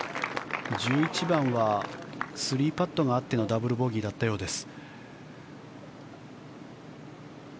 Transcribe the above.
１１番は３パットがあってのダブルボギーだったようです。